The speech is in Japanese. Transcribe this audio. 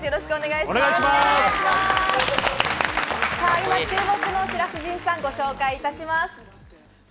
今注目の白洲迅さん、ご紹介します。